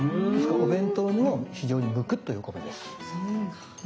お弁当にも非常に向くということです。